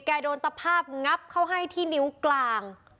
โดนตะภาพงับเข้าให้ที่นิ้วกลาง